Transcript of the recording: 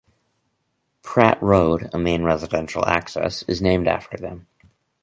'Pratt Road', a main residential access, is named after them.